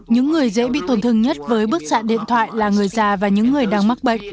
những người dễ bị tổn thương nhất với bức xạ điện thoại là người già và những người đang mắc bệnh